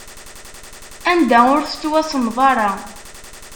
Anda ur tettwasenḍ ara.